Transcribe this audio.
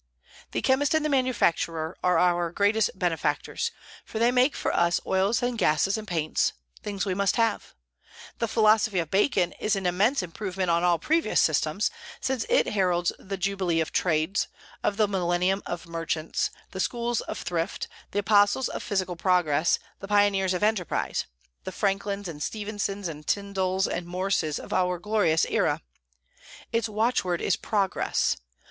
The chemist and the manufacturer are our greatest benefactors, for they make for us oils and gases and paints, things we must have. The philosophy of Bacon is an immense improvement on all previous systems, since it heralds the jubilee of trades, the millennium of merchants, the schools of thrift, the apostles of physical progress, the pioneers of enterprise, the Franklins and Stephensons and Tyndalls and Morses of our glorious era. Its watchword is progress.